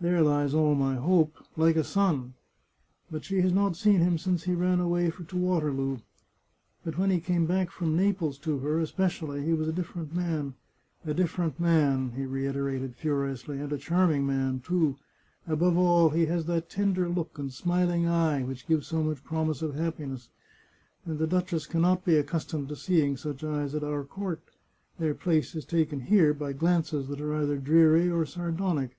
There lies all my hope — like a son! ... But she has not seen him since he ran away to Waterloo ; but when he came back from Naples, to her, especially, he was a different man ! A different man! " he reiterated furiously, " and a charming man, too ! Above all, he has that tender look and smiling eye which give so much promise of happiness. And the duchess can not be accustomed to seeing such eyes at our court. Their place is taken here by glances that are either dreary or sardonic.